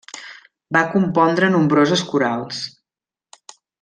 Va compondre nombroses corals.